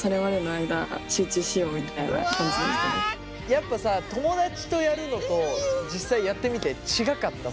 やっぱさ友達とやるのと実際やってみて違かった？